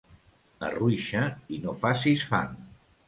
Arruixa i no facis fang.